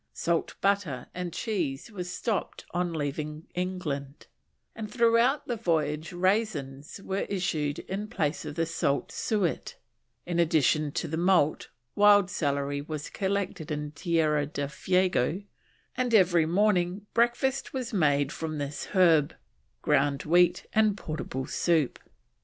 Salt Butter and Cheese was stopped on leaving England, and throughout the voyage Raisins were issued in place of the Salt Suet; in addition to the Malt, wild Celery was collected in Tierra del Fuego, and, every morning, breakfast was made from this herb, ground wheat and portable soup."